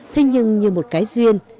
thế nhưng như một cái duyên